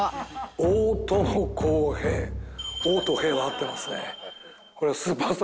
「大」と「平」は合ってますね。